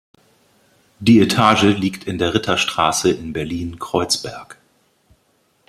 Die Etage liegt in der Ritterstraße in Berlin-Kreuzberg.